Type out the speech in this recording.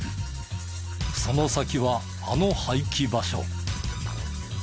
その先はあの廃棄場所。